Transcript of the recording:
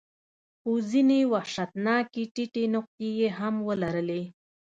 خو ځینې وحشتناکې ټیټې نقطې یې هم ولرلې.